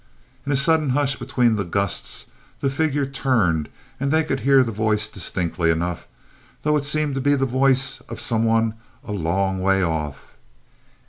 In a sudden hush between the gusts the figure turned and they could hear the voice distinctly enough, though it seemed to be the voice of some one a long way off.